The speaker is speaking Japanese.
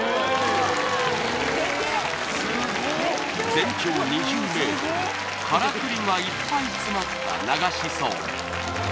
全長２０ｍからくりがいっぱい詰まった流しそうめん